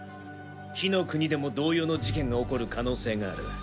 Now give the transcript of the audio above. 火の国でも同様の事件が起こる可能性がある。